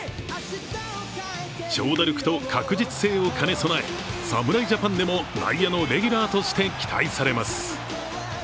長打力と確実性を兼ね備え、侍ジャパンでも内野のレギュラーとして期待されます。